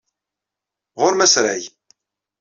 Ɣur-m asrag.